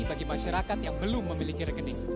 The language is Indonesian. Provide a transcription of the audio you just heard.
bagi masyarakat yang belum memiliki rekening